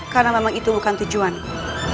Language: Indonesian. karena memang itu bukan tujuanku